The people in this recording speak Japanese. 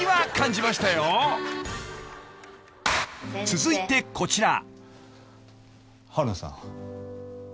［続いてこちら］